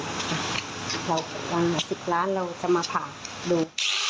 เราหลังสิบล้านเราจะมาผ่าดู